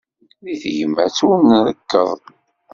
Di tegmat ur nrekkeḍ.